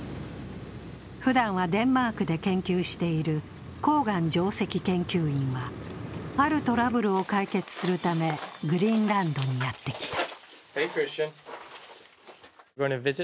ふだんはデンマークで研究しているコーガン上席研究員はあるトラブルを解決するため、グリーンランドにやってきた。